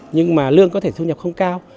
nhưng mà lương có thể thu nhập không cao